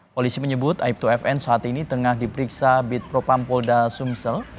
polisi menyebut aibtu fn saat ini tengah diperiksa bid propam polda sumsel